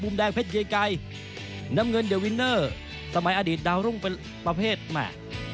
แดงเพชรเยไก่น้ำเงินเดอวินเนอร์สมัยอดีตดาวรุ่งเป็นประเภทแม่